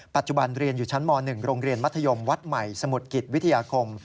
ปัจจุบันเรียนอยู่ชั้นม๑โรงเรียนมัธยมวัดใหม่สมุทรกิจวิทยาคม